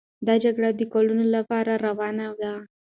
دا جګړې د کلونو لپاره روانې وې.